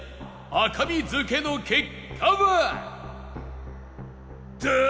赤身漬けの結果は？